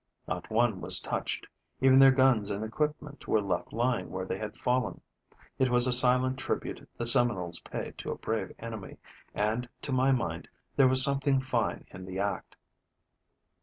Not one was touched. Even their guns and equipment were left lying where they had fallen. It was a silent tribute the Seminoles paid to a brave enemy, and, to my mind, there was something fine in the act."